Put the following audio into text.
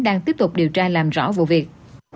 đang tiếp tục điều tra làm rõ vụ việc